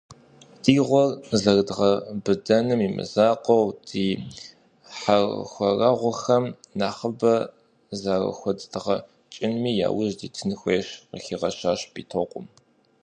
«Ди гъуэр зэрыдгъэбыдэным имызакъуэу, ди хьэрхуэрэгъухэм нэхъыбэ зэрахудэдгъэкӀынми яужь дитын хуейщ», - къыхигъэщащ Битокъум.